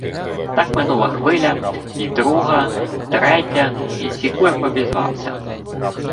Так минула хвиля, й друга, й третя, й Сікур обізвався: